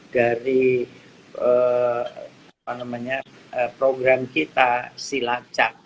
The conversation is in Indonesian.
dari program kita silacak